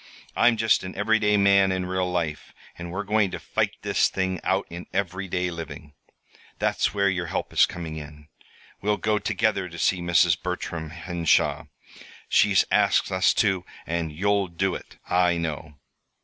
I'm just an everyday man in real life; and we're going to fight this thing out in everyday living. That's where your help is coming in. We'll go together to see Mrs. Bertram Henshaw. She's asked us to, and you'll do it, I know.